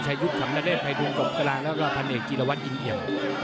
ชายุทธ์ขำระเรดไพดวงกลบกระลางแล้วก็ภาเนกจีรวรรดิอินเหี่ยว